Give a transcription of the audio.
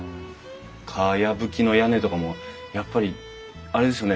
かやぶきの屋根とかもやっぱりあれですよね。